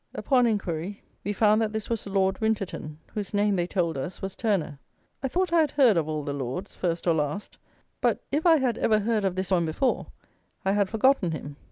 Upon inquiry, we found that this was Lord Winterton, whose name, they told us, was Turnour. I thought I had heard of all the Lords, first or last; but, if I had ever heard of this one before, I had forgotten him.